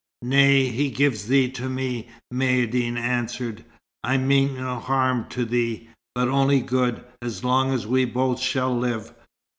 "Nay, he gives thee to me," Maïeddine answered. "I mean no harm to thee, but only good, as long as we both shall live.